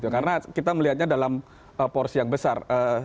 karena kita melihatnya dalam porsi yang besar